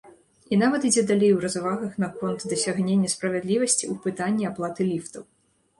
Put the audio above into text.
І нават ідзе далей у развагах наконт дасягнення справядлівасці ў пытанні аплаты ліфтаў.